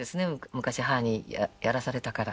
昔母にやらされたから。